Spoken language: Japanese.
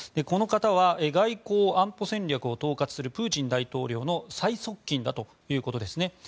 この方は外交・安保戦略を統括するプーチン大統領の最側近だということですね。